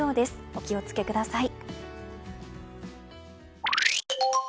お気を付けください。